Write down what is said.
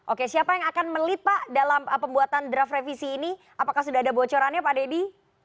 oke siapa yang akan melit pak dalam pembuatan draft revisi ini apakah sudah ada bocorannya pak dedy